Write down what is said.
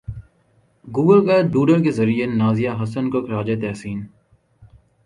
Google کا doodle کے ذریعے نازیہ حسن کو خراج تحسین